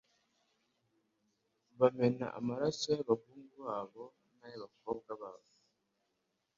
bamena amaraso y’abahungu babo n’ay’abakobwa babo